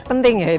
penting ya itu